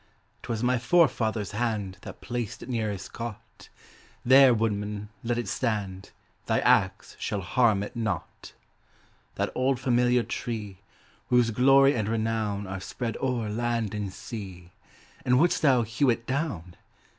'Twas my forefather's hand That placed it near his cot; There, woodman, let it stand, Thy axe shall harm it not. That old familiar tree, Whose glory and renown Are spread o'er land and sea And wouldst thou hew it down?